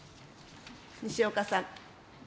西岡さん。